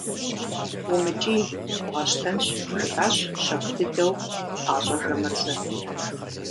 – УмыкӀий, бгъэщтэнщ, – жиӀащ щэху дыдэу пхъащӀэ Жамырзэ.